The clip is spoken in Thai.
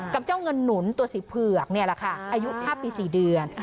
กับเจ้าเงินหนุนตัวสีเผือกนี่แหละค่ะอายุ๕ปี๔เดือน